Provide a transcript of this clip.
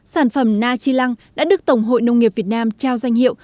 sản phẩm na chi lăng đã được tổng hội nông nghiệp việt nam trao danh hiệu